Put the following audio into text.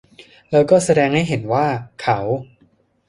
แล้วก็แสดงให้เห็นว่า เขา